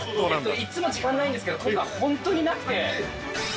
いつも時間ないんですけど今回ホントになくて。